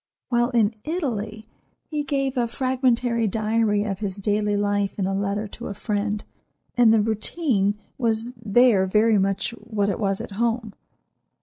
While in Italy he gave a fragmentary diary of his daily life in a letter to a friend, and the routine was there very much what it was at home.